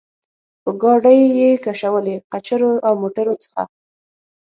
چې ګاډۍ یې کشولې، قچرو او موټرو څخه.